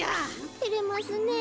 てれますねえ。